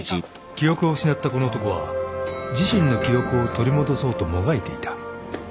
［記憶を失ったこの男は自身の記憶を取り戻そうともがいていた］